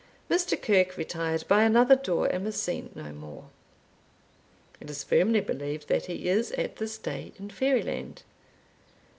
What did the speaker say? Mr. Kirke retired by another door, and was seen no wore. It is firmly believed that he is, at this day, in Fairyland."